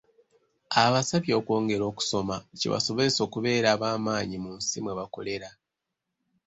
Abasabye okwongera okusoma, kibasobozese okubeera abamanyi mu nsi mwe bakolera.